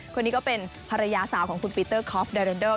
คนนี้ก็เป็นภรรยาสาวของคุณปีเตอร์คอฟไรเรนเดอร์